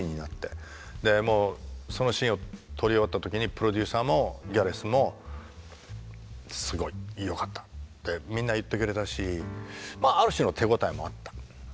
でもうそのシーンを撮り終わった時にプロデューサーもギャレスも「すごいよかった」ってみんな言ってくれたしまあある種の手応えもあった。